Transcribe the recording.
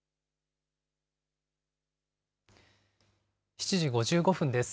７時５５分です。